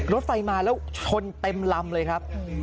รถไฟมาแล้วชนเต็มลำเลยครับ